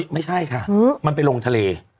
ไม่ใช่ค่ะมันไปลงทะเล